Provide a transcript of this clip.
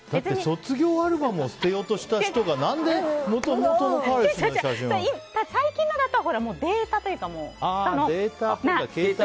卒業アルバムを捨てようとした人が最近のだと、データというか。